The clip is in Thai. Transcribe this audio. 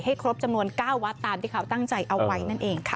ครบจำนวน๙วัดตามที่เขาตั้งใจเอาไว้นั่นเองค่ะ